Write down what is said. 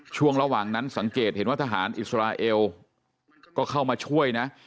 ช่วงระหว่างนั้นสังเกตเห็นว่าทหารอิสราเอลก็เข้ามาช่วยนะ